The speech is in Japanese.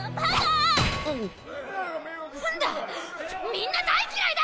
みんな大嫌いだ！